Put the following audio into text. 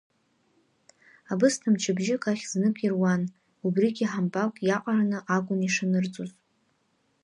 Абысҭа мчыбжьык ахь знык ируан, убригьы ҳампалк иаҟараны акәын ишанырҵоз.